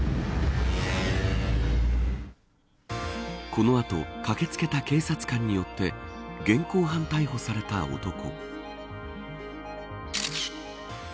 この後、駆けつけた警察官によって現行犯逮捕された男。